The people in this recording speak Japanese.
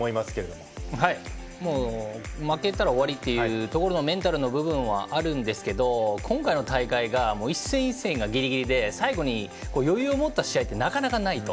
もう負けたら終わりというところのメンタルの部分はあるんですけど今回の大会が一戦一戦がギリギリで最後に余裕を持った試合がなかなかないと。